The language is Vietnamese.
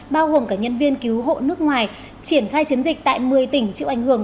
bao gồm cả nhân viên cứu hộ nước ngoài triển khai chiến dịch tại một mươi tỉnh chịu ảnh hưởng